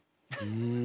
うん。